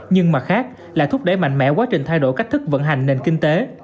nhưng mặt khác là thúc đẩy mạnh mẽ quá trình thay đổi cách thức vận hành nền kinh tế